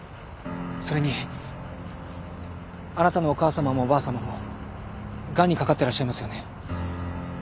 それにあなたのお母さまもおばあさまもがんにかかってらっしゃいますよね？